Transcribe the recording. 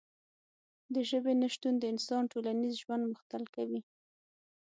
د ژبې نشتون د انسان ټولنیز ژوند مختل کوي.